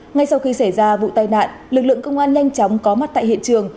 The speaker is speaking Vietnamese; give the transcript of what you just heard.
ngay sau khi xảy ra vụ tai nạn lực lượng công an nhanh chóng có mặt tại hiện trường